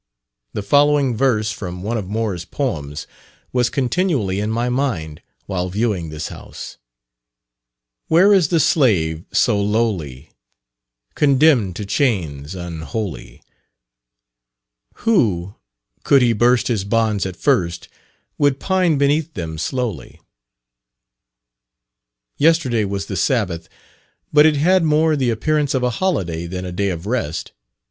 The following verse from one of Moore's poems was continually in my mind while viewing this house: "Where is the slave, so lowly, Condemn'd to chains unholy, Who, could he burst His bonds at first, Would pine beneath them slowly?" Yesterday was the Sabbath, but it had more the appearance of a holiday than a day of rest.